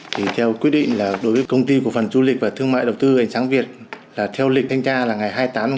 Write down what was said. thì theo quyết định là đối với công ty của phần du lịch và thương mại đầu tư hành sáng việt là theo lịch thanh tra là ngày hai mươi tám chín hai nghìn một mươi tám